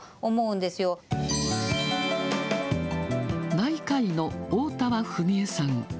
内科医のおおたわ史絵さん。